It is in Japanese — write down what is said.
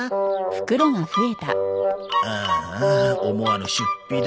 ああ思わぬ出費だ。